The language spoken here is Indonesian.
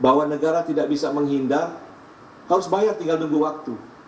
harus bayar tinggal menunggu waktu